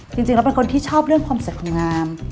จริงแล้วเป็นคนที่ชอบเรื่องความสวยงาม